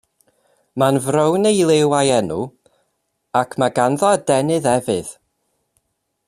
Mae'n frown ei liw a'i enw, ac mae ganddo adenydd efydd.